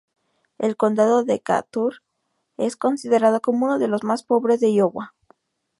El Condado de Decatur es considerado como uno de los más pobres en Iowa.